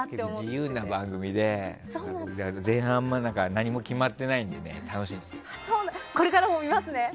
自由な番組で前半も何も決まってないのでこれからも見ますね！